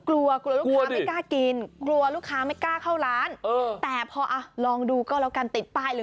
แล้วก็นำไปใส่พาชนะวางปิดไว้